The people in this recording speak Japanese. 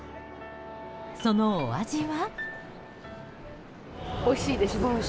そのお味は？